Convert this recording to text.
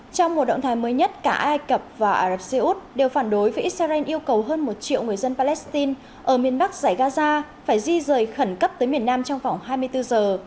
trong một động thái mới nhất cả ai cập và ả rập xê út đều phản đối với israel yêu cầu hơn một triệu người dân palestine ở miền bắc giải gaza phải di rời khẩn cấp tới miền nam trong vòng hai mươi bốn giờ